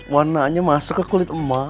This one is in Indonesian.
warnanya masuk ke kulit emas